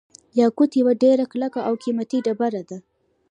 یاقوت یوه ډیره کلکه او قیمتي ډبره ده.